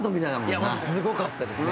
高橋：すごかったですね